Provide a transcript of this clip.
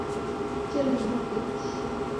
Johnny, তোমার লেজ!